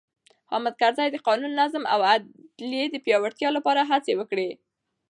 حامد کرزي د قانون، نظم او عدلیې د پیاوړتیا لپاره هڅې وکړې.